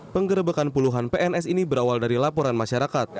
penggerebekan puluhan pns ini berawal dari laporan masyarakat